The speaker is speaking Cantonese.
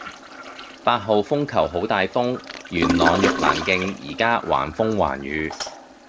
八號風球好大風，元朗玉蘭徑依家橫風橫雨